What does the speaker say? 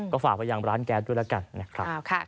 ก็ฝากไปยังร้านแก๊สด้วยแล้วกัน